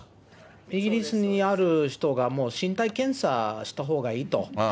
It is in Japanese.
イギリスにある人が身体検査したほうがいいと。